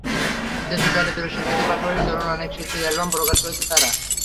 দেশের জনপ্রিয় শিল্পীদের পাশাপাশি তরুণ অনেক শিল্পীর অ্যালবাম প্রকাশ করছে তারা।